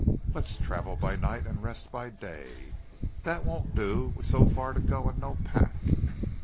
"Let's travel by night and rest by day." "That won't do, with so far to go and no pack."